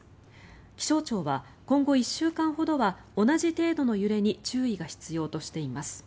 気象庁は、今後１週間ほどは同じ程度の揺れに注意が必要としています。